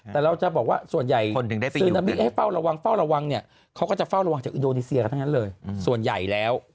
แต่เราจะบอกว่าส่วนใหญ่ซึนามิให้เฝ้าระวังเฝ้าระวังเนี่ยเขาก็จะเฝ้าระวังจากอินโดนีเซียกันทั้งนั้นเลยส่วนใหญ่แล้ว